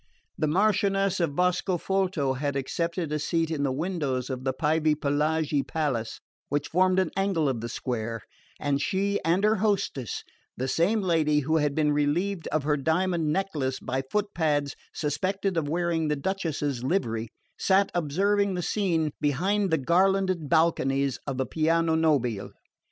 The Marchioness of Boscofolto had accepted a seat in the windows of the Pievepelaghi palace, which formed an angle of the square, and she and her hostess the same lady who had been relieved of her diamond necklace by footpads suspected of wearing the Duchess's livery sat observing the scene behind the garlanded balconies of the piano nobile.